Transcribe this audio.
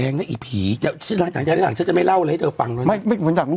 ในที่สาธนาคับได้รึยังนะคะ